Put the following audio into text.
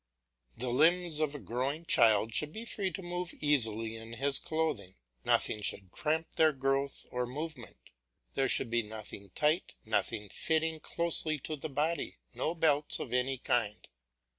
The limbs of a growing child should be free to move easily in his clothing; nothing should cramp their growth or movement; there should be nothing tight, nothing fitting closely to the body, no belts of any kind.